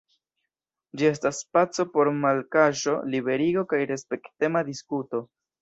Ĝi estas spaco por malkaŝo, liberigo kaj respektema diskuto.